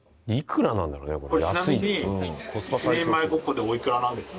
これちなみに１人前５個でおいくらなんですか？